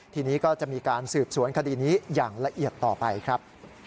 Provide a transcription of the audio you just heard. ทีนี้ก็จะมีการสืบสวนคดีนี้อย่างละเอียดต่อไปครับ